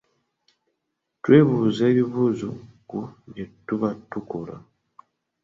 Twebuuza ebibuuzo ku bye tuba tukola?